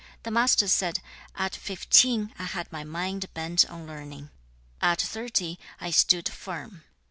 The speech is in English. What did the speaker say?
The Master said, 'At fifteen, I had my mind bent on learning. 2. 'At thirty, I stood firm.